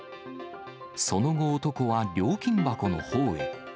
その後、男は料金箱のほうへ。